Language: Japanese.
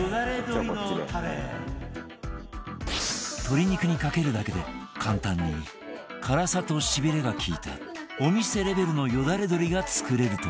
鶏肉にかけるだけで簡単に辛さと痺れが利いたお店レベルのよだれ鶏が作れるという